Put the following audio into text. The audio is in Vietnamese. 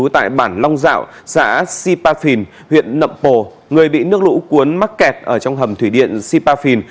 tại bản long dạo xã sipafin huyện nậm pồ người bị nước lũ cuốn mắc kẹt ở trong hầm thủy điện sipafin